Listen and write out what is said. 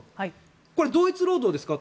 これ同一労働ですかと。